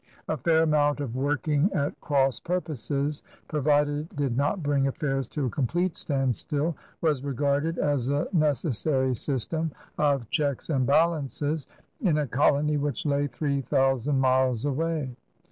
A fair amount of working at cross purposes, provided it did not bring affairs to a complete standstill, was regarded as a necessary system of checks and balances in a colony which lay three thousand miles away.